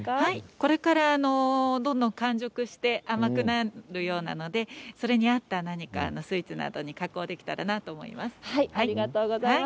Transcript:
これからどんどん完熟して甘くなるようですのでそれに合った何かスイーツなどに加工できたらいいと思います。